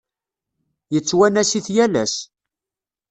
Yettwanas-it yal ass.